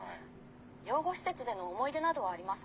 養護施設での思い出などありますか？」。